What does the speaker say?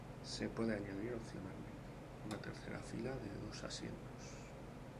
Se puede añadir, opcionalmente, una tercera fila de dos asientos.